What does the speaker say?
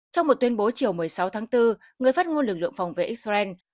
trong một tuyên bố chiều một mươi sáu tháng bốn người phát ngôn lực lượng phòng vệ israel